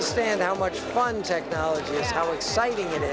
harus mulai awal untuk memahami teknologi yang menyenangkan